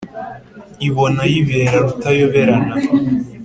ibona ayibera rutayoberana